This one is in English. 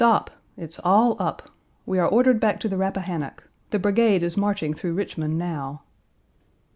Page 231 cried: "Stop! it's all up. We are ordered back to the Rappahannock. The brigade is marching through Richmond now."